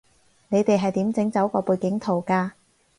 你哋係點整走個背景圖㗎